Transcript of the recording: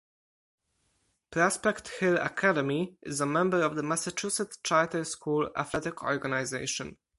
Prospect Hill Academy is a member of the Massachusetts Charter School Athletic Organization.